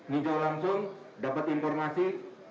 menuju langsung dapat informasi